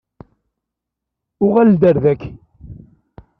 Uɣal-d ar daki.